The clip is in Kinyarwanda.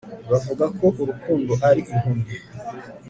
bavuga ko urukundo ari impumyi